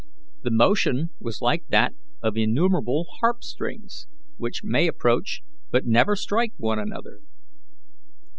The motion was like that of innumerable harp strings, which may approach but never strike one another.